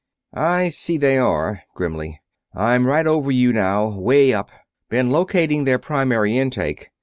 "I see they are," grimly. "I'm right over you now, 'way up. Been locating their primary intake.